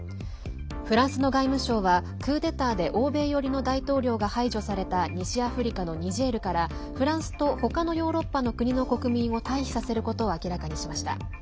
フランスの外務省はクーデターで欧米寄りの大統領が排除された西アフリカのニジェールからフランスと他のヨーロッパの国の国民を退避させることを明らかにしました。